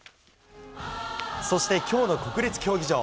そしてきょうの国立競技場。